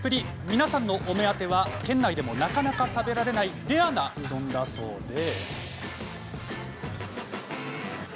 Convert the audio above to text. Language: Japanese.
皆さんのお目当ては県内でもなかなか食べられないレアなうどんだそうで。